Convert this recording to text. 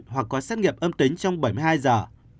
hoặc có xét nghiệm âm tính trong bảy mươi hai giờ